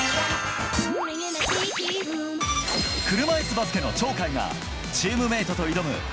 車いすバスケの鳥海がチームメートと挑む